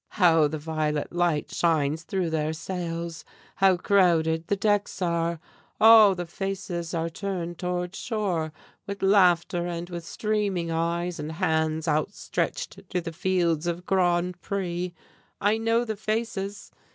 "How the violet light shines through their sails! How crowded the decks are! All the faces are turned toward shore, with laughter and with streaming eyes, and hands outstretched to the fields of Grand Pré. I know the faces.